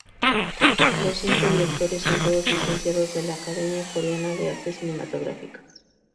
Los cinco directores son todos licenciados de la Academia Coreana de Artes Cinematográficas.